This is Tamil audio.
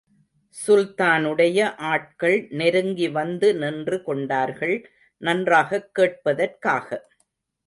சுல்தானுடைய ஆட்கள், நெருங்கி வந்து நின்று கொண்டார்கள், நன்றாகக் கேட்பதற்காக.